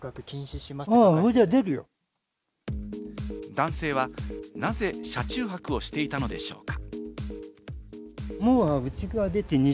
男性はなぜ車中泊をしていたのでしょうか？